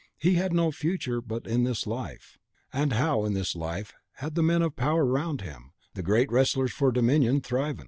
He had no future but in this life; and how in this life had the men of power around him, the great wrestlers for dominion, thriven?